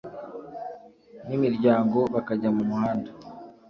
n imiryango bakajya mu muhanda